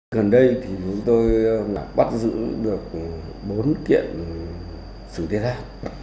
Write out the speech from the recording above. gần đây thì chúng tôi bắt giữ được bốn kiện sừng tê giác